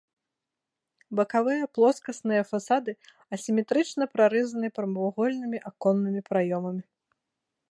Бакавыя плоскасныя фасады асіметрычна прарэзаны прамавугольнымі аконнымі праёмамі.